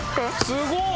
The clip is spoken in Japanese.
すごい！